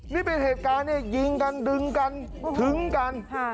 นี่เป็นเหตุการณ์เนี่ยยิงกันดึงกันถึงกัน